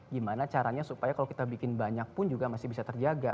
gimana caranya supaya kalau kita bikin banyak pun juga masih bisa terjaga